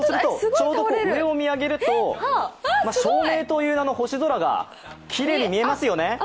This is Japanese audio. ちょうど上を見上げると照明という名の星空がきれいに見えますよね。